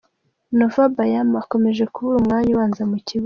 Nova Bayama akomeje kubura umwanya ubanza mu kibuga.